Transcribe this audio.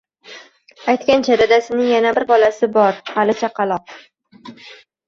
Aytgancha, dadasining yana bir bolasi bor hali chaqaloq